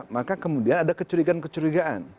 maka kemudian ada kecurigaan kecurigaan